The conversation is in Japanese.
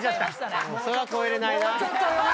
それは超えれないな。